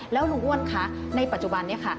แล้วลุงอ้วนคะในปัจจุบันนี้ค่ะ